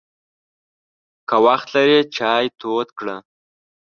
که وخت لرې، چای تود کړه!